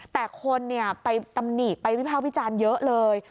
แต่คนไปตำหนี่ไปพี่พร้าวพี่จานเยอะเลย